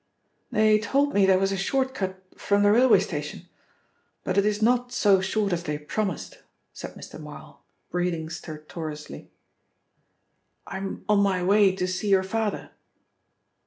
"They told me there was a short cut from the railway station, but it is not so short as they promised," said Mr. Marl, breathing stertorously. "I'm on my way to see your father."